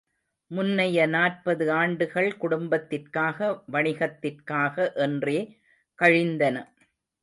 முன்னைய நாற்பது ஆண்டுகள் குடும்பத்திற்காக, வணிகத்திற்காக என்றே கழிந்தன.